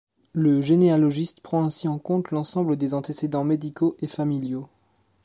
Le généalogiste prend ainsi en compte l’ensemble des antécédents médicaux et familiaux.